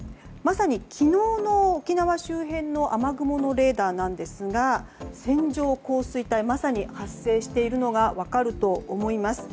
昨日の沖縄周辺の雨雲のレーダーなんですが線状降水帯がまさに発生しているのが分かると思います。